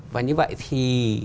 và như vậy thì